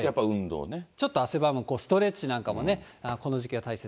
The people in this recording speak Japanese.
ちょっと汗ばむストレッチなんかもね、この時期は大切。